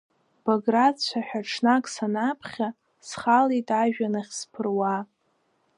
Баграт цәаҳәа ҽнак санаԥхьа, схалеит ажәҩан ахь сԥыруа.